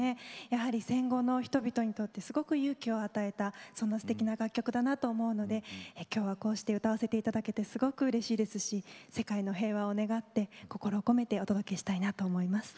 やはり戦後の人々にとってすごく勇気を与えたすてきな楽曲だなと思うのできょうは、こうして歌わせていただけてすごくうれしいですし世界の平和を願って心を込めてお届けしたいなと思います。